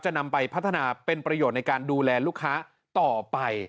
นำไปพัฒนาเป็นประโยชน์ในการดูแลลูกค้าต่อไป